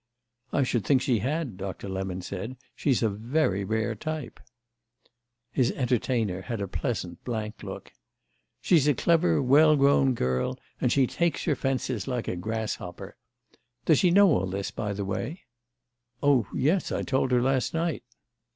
"I should think she had," Doctor Lemon said. "She's a very rare type." His entertainer had a pleasant blank look. "She's a clever well grown girl and she takes her fences like a grasshopper. Does she know all this, by the way?" "Oh yes, I told her last night."